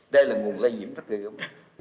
đây là nguồn lây nhiễm phát triển